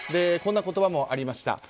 こんな言葉もありました。